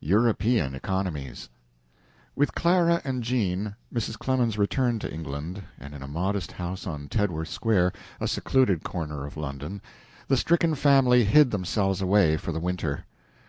EUROPEAN ECONOMIES With Clara and Jean, Mrs. Clemens returned to England, and in a modest house on Tedworth Square, a secluded corner of London, the stricken family hid themselves away for the winter.